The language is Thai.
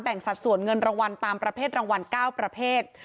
สัดส่วนเงินรางวัลตามประเภทรางวัล๙ประเภท